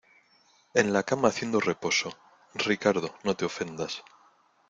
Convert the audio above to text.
en la cama haciendo reposo. Ricardo, no te ofendas